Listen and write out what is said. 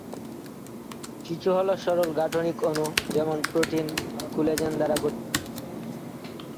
কিছু হল সরল গাঠনিক অণু, যেমন প্রোটিন কোলাজেন দ্বারা গঠিত তন্তু।